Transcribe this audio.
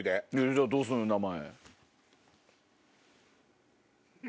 じゃあどうすんの名前。